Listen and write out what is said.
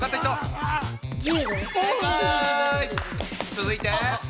続いて。